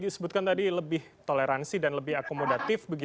disebutkan tadi lebih toleransi dan lebih akomodatif